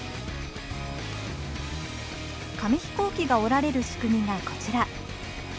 紙ヒコーキが折られる仕組みがこちら。